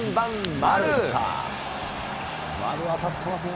丸、当たってますね。